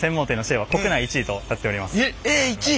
えっ１位！？